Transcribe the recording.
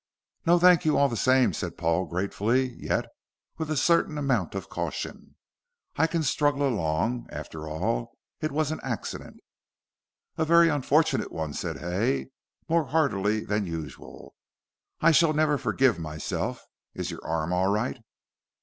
"No, thank you all the same," said Paul gratefully, yet with a certain amount of caution. "I can struggle along. After all, it was an accident." "A very unfortunate one," said Hay, more heartily than usual. "I shall never forgive myself. Is your arm all right?"